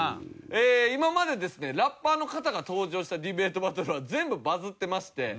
えー今までですねラッパーの方が登場したディベートバトルは全部バズってまして。